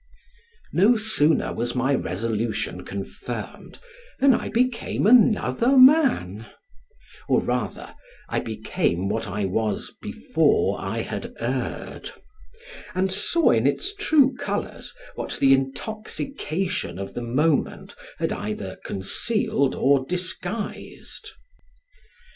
No sooner was my resolution confirmed than I became another man, or rather, I became what I was before I had erred, and saw in its true colors what the intoxication of the moment had either concealed or disguised.